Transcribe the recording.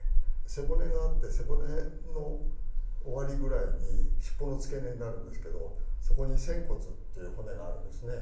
背骨があって背骨の終わりぐらいにしっぽの付け根になるんですけどそこに仙骨っていう骨があるんですね。